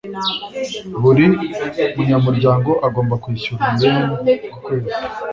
Buri munyamuryango agomba kwishyura , yen ku kwezi.